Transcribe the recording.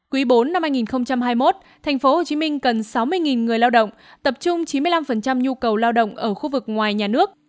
quý bốn năm hai nghìn hai mươi một tp hcm cần sáu mươi người lao động tập trung chín mươi năm nhu cầu lao động ở khu vực ngoài nhà nước